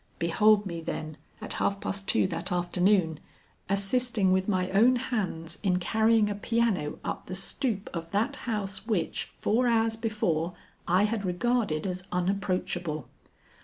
Behold me, then, at half past two that afternoon, assisting with my own hands in carrying a piano up the stoop of that house which, four hours before, I had regarded as unapproachable.